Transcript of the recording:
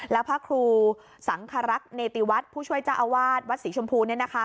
และพระครูสังคระรักษณ์เนติวัฒน์ผู้ช่วยจ้าอาวาสวัศส์ศรีชมพูนี่นะคะ